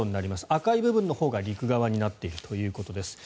赤い部分のほうが陸側になっているということです。